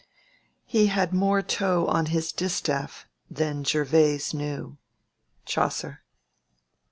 He had more tow on his distaffe Than Gerveis knew. —CHAUCER.